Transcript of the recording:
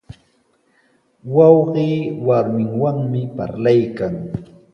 Wawqii warminwanmi parlaykan.